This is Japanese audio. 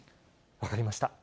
分かりました。